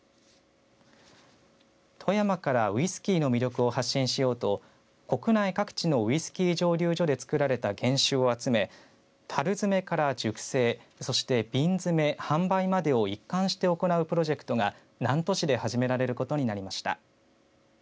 富山からウイスキーの魅力を発信しようと国内各地のウイスキー蒸留所でつくられた原酒を集めたるづめから熟成そして瓶詰販売までを一貫して行うプロジェクトが南砺市で始められることになりました。